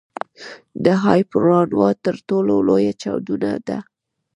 د هایپرنووا تر ټولو لویه چاودنه ده.